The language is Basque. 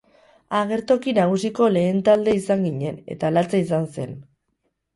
Agertoki nagusiko lehen talde izan ginen, eta latza izan zen.